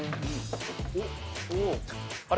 あれ？